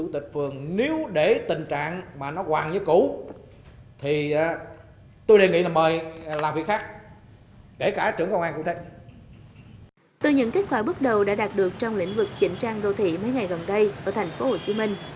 từ những kết quả bước đầu đã đạt được trong lĩnh vực chỉnh trang đô thị mấy ngày gần đây ở thành phố hồ chí minh